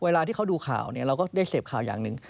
เวลาที่เขาดูข่าวเนี่ยเราก็ได้เสพข่าวอย่างหนึ่ง